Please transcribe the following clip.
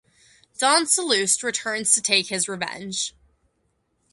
Don Salluste returns to take his revenge.